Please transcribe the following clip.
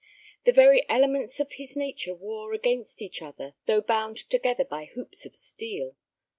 The very elements of his nature war against each other, though bound together by hoops of steel.